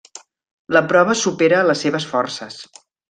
La prova supera les seves forces.